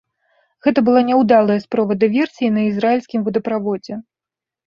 Гэта была няўдалая спроба дыверсіі на ізраільскім водаправодзе.